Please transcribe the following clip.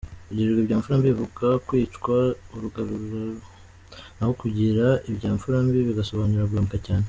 Kugirirwa ibya Mfurambi bivuga kwicwa urugaraguro naho kugira ibya Mfurambi bigasobanura guhemuka cyane.